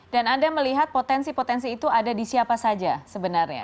dan anda melihat potensi potensi itu ada di siapa saja sebenarnya